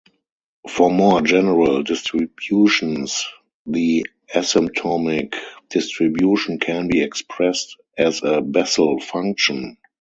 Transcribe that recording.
For more general distributions the asymptotic distribution can be expressed as a Bessel function.